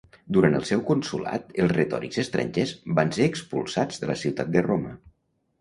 Durant el seu consolat els retòrics estrangers van ser expulsats de la ciutat de Roma.